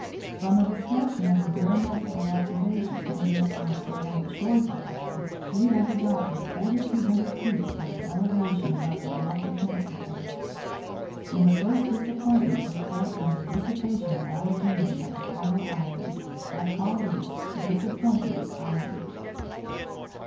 From a discussion of the barometrical observations made during our stay on the shores of the lake, we have adopted 4,200 feet for its elevation above the Gulf of Mexico. In the first disappointment we felt from the dissipation of our dream of the fertile islands, I called this Disappointment Island.